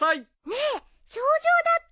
ねえ賞状だって。